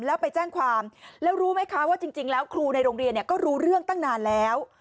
แล้วไปแจ้งความแล้วรู้ไหมคะว่าจริงแล้วครูในโรงเรียนก็รู้เรื่องตั้งนานแล้ว